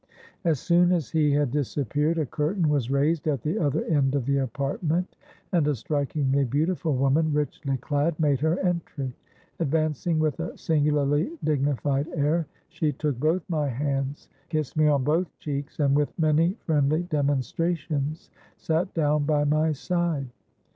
As soon as he had disappeared, a curtain was raised at the other end of the apartment, and a strikingly beautiful woman, richly clad, made her entry. Advancing with a singularly dignified air, she took both my hands, kissed me on both cheeks, and with many friendly demonstrations sat down by my side.